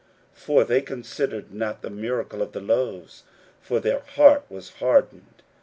41:006:052 For they considered not the miracle of the loaves: for their heart was hardened.